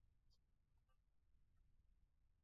WAkulima wakubwa Tanzania ni wanawake wakijijini